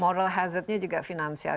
moral hazard nya juga finansial